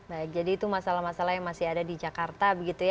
baik jadi itu masalah masalah yang masih ada di jakarta begitu ya